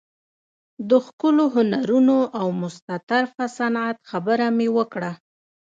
د ښکلو هنرونو او مستطرفه صنعت خبره مې وکړه.